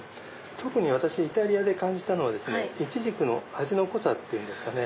特に私イタリアで感じたのはイチジクの味の濃さですかね。